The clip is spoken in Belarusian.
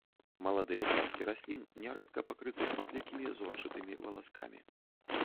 Маладыя часткі раслін нярэдка пакрыты шматлікімі зорчатымі валаскамі.